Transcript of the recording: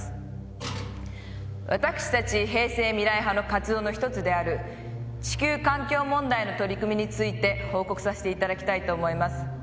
私たち平成未来派の活動の１つである地球環境問題の取り組みについて報告させていただきたいと思います。